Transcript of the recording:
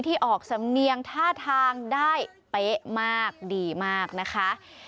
ที่ออกสำเนียงท่าทางได้เป๊ะมากดีมากนะคะ